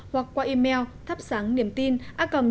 hoặc qua email thapsangniemtina org vn